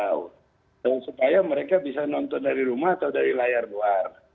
dan supaya mereka bisa nonton dari rumah atau dari layar luar